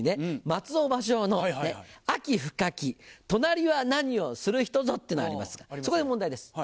松尾芭蕉の「秋深き隣は何をする人ぞ」ってのがありますがそこで問題です。